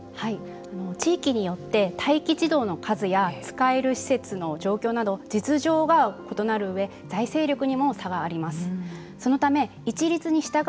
地域によって待機児童の数や使える施設の状況など実情が異なるうえ財政力にも差があります。